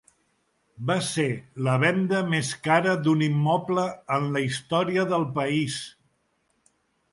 Va ser la venda més cara d’un immoble en la història del país.